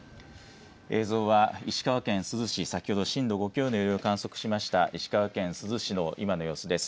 映像は石川県珠洲市、先ほど震度５強の揺れを観測しました石川県珠洲市の今の様子です。